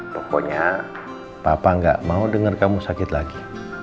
pokoknya papa gak mau dengar kamu sakit lagi